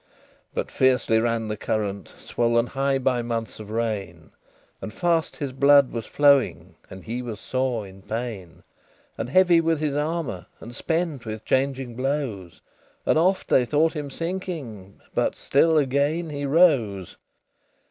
LXI But fiercely ran the current, Swollen high by months of rain: And fast his blood was flowing; And he was sore in pain, And heavy with his armor, And spent with changing blows: And oft they thought him sinking, But still again he rose.